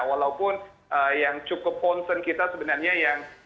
walaupun yang cukup concern kita sebenarnya yang